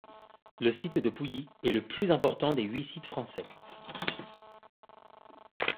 Le site de Pouilly est le plus important des huit sites français.